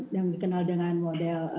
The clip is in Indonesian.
yang dikenal dengan model